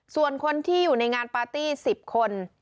ส่วนคนที่อยู่ในงานปาร์ตี้๑๐คน